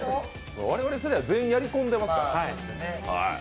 我々世代は全員やり込んでますからね。